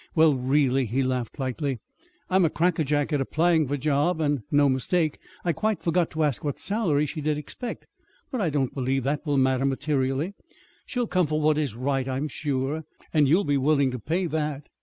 "Well, really," he laughed lightly, "I'm a crackerjack at applying for a job, and no mistake! I quite forgot to ask what salary she did expect. But I don't believe that will matter materially. She'll come for what is right, I'm sure; and you'll be willing to pay that."